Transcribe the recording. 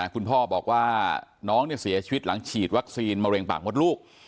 คุณพ่อบอกว่าน้องเสียชีวิตหลังฉีดวัคซีนมะเร็งปากมดลูก